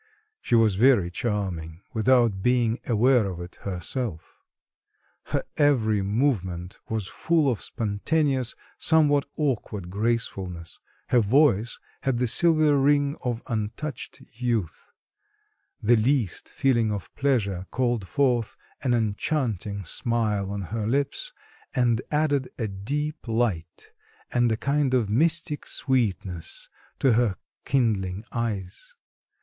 She was very charming, without being aware of it herself. Her every movement was full of spontaneous, somewhat awkward gracefulness; her voice had the silvery ring of untouched youth, the least feeling of pleasure called forth an enchanting smile on her lips, and added a deep light and a kind of mystic sweetness to her kindling eyes.